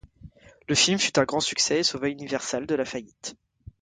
Le film fut un grand succès et sauva Universal de la faillite.